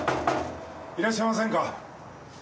いらっしゃいませんか？